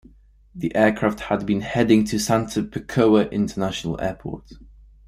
The aircraft had been heading to Santo-Pekoa International Airport.